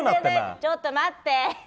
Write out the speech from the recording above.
ちょっと待って！